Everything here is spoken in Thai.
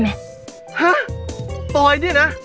แบบนี้ก็ได้